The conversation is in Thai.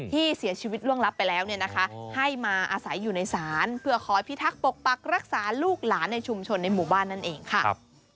ที่เสียชีวิตล่วงลับไปแล้วเนี่ยนะคะให้มาอาศัยอยู่ในศาลเพื่อคอยพิทักษ์ปกปักรักษาลูกหลานในชุมชนในหมู่บ้านนั่นเองค่ะ